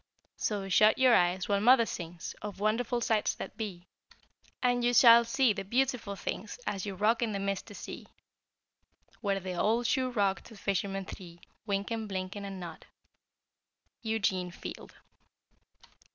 So shut your eyes while mother sings Of wonderful sights that be; And you shall see the beautiful things As you rock in the misty sea, Where the old shoe rocked the fishermen three, Wynken, Blynken, And Nod. Eugene Field.